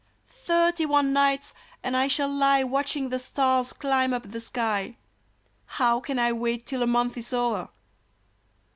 Thirty one nights, and I shall lie Watching the stars climb up the sky ! How can I wait till a month is o'er